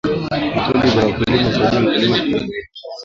vikundi vya wakulima husaidia mkulima kupata faida